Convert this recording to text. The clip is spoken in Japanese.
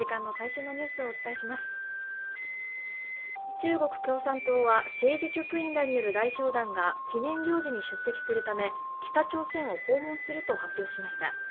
中国共産党は、政治局員らによる代表団が記念行事に出席するため北朝鮮を訪問すると発表しました。